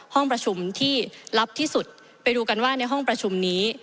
ห้องประชุมที่ลับที่สุดไปดูกันว่าในห้องประชุมนี้